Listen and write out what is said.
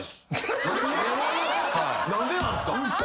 何でなんすか！？